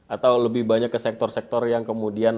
atau lebih banyak ke sektor sektor yang kemudian